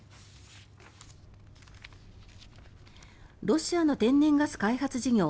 ロシアの天然ガス開発事業